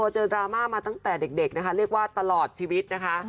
ดราม่ามาตั้งแต่เด็กนะคะเรียกว่าตลอดชีวิตนะคะ